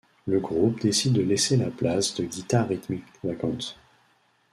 Le groupe décide de laisser la place de guitare rythmique vacante.